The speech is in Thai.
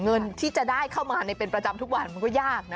เงินที่จะได้เข้ามาในเป็นประจำทุกวันมันก็ยากนะ